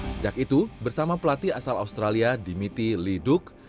sejak itu bersama pelatih asal australia dimiti liduk